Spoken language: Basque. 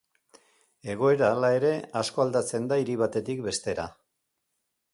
Egoera, hala ere, asko aldatzen da hiri batetik bestera.